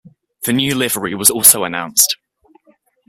The new livery was also announced.